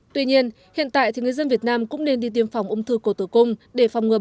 tuy nhiên hiện tại thì người dân việt nam cũng nên đi tiêm phòng ung thư cổ tử cung để phòng ngừa